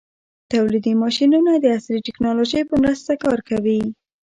تولیدي ماشینونه د عصري ټېکنالوژۍ په مرسته کار کوي.